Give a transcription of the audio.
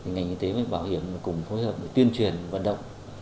ngành y tế với bảo hiểm cùng phối hợp để tuyên truyền vận động